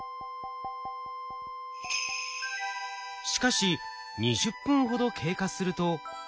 しかし２０分ほど経過すると。